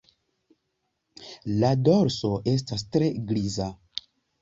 La dorso estas tre griza.